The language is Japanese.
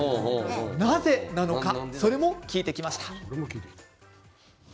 なぜなのかそれも聞いてきました。